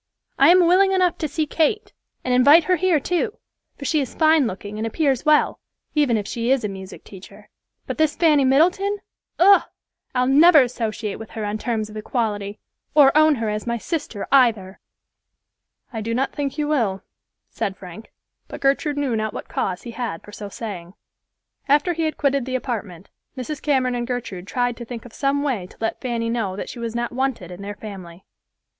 "I am willing enough to see Kate, and invite her here too, for she is fine looking and appears well, even if she is a music teacher; but this Fanny Middleton—Ugh! I'll never associate with her on terms of equality, or own her as my sister either." "I do not think you will," said Frank; but Gertrude knew not what cause he had for so saying. After he had quitted the apartment, Mrs. Cameron and Gertrude tried to think of some way to let Fanny know that she was not wanted in their family.